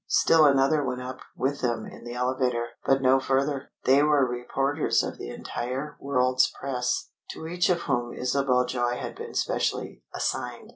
Still another went up with them in the elevator, but no further. They were reporters of the entire world's press, to each of whom Isabel Joy had been specially "assigned."